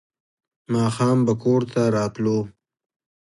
ماښام به کور ته راتلو.